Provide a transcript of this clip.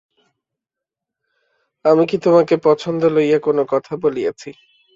আমি কি তোমাকে পছন্দ লইয়া কোনো কথা বলিয়াছি?